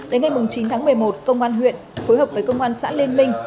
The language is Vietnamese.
đến ngày chín tháng một mươi một công an huyện phối hợp với công an xã liên minh